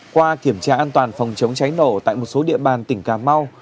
qua kiểm tra an toàn phòng chống cháy nổ tại một số địa bàn tỉnh cà mau